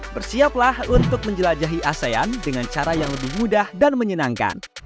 bersiaplah untuk menjelajahi asean dengan cara yang lebih mudah dan menyenangkan